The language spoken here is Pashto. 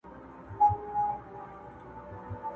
که محشر نه دی نو څه دی!!